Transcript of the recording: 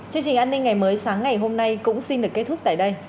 chương trình an ninh ngày mới sáng ngày hôm nay cũng xin được kết thúc tại đây